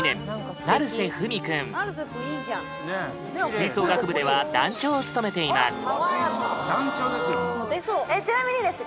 吹奏楽部では団長を務めていますちなみにですね